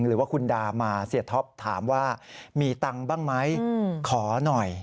หรือว่าคุณดามาเสียท็อปถามว่ามีตังค์บ้างไหมขอหน่อย